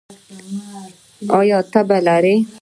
ایا تبه لرئ؟